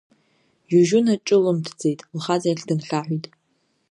Жьужьуна ҿылымҭӡеит, лхаҵа иахь дынхьаҳәит.